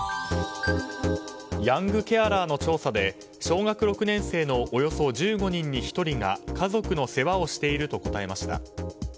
ヤングケアラーの調査で小学６年生のおよそ１５人に１人が家族の世話をしていると答えました。